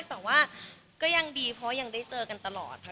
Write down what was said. แต่ว่าก็ยังดีเพราะยังได้เจอกันตลอดค่ะ